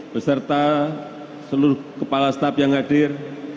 beserta seluruh kepala staf yang hadir